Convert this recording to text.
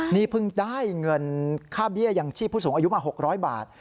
นี่เพิ่งได้เงินค่าเบี้ยยังชีพผู้สูงอายุมา๖๐๐บาท